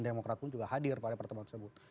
demokrat pun juga hadir pada pertemuan tersebut